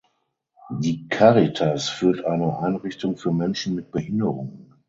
Die Caritas führt eine Einrichtung für Menschen mit Behinderungen.